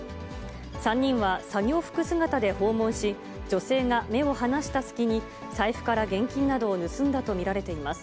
３人は作業服姿で訪問し、女性が目を離した隙に、財布から現金などを盗んだと見られています。